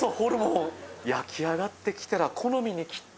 焼き上がって来たら好みに切って。